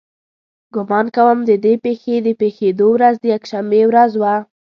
ګمان کوم د دې پېښې د پېښېدو ورځ د یکشنبې ورځ وه.